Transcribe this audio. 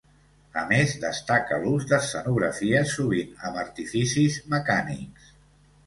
A més, destaca l'ús d'escenografies sovint amb artificis mecànics.